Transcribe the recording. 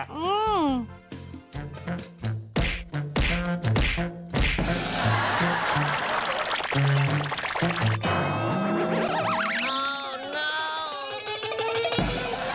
อื้ม